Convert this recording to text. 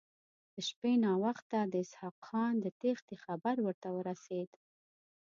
د شپې ناوخته د اسحق خان د تېښتې خبر ورته ورسېد.